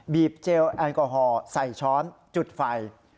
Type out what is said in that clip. เจลแอลกอฮอล์ใส่ช้อนจุดไฟ